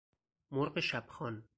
مرغ شب خوان